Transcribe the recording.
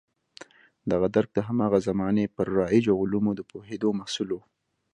دغه درک د هماغه زمانې پر رایجو علومو د پوهېدو محصول و.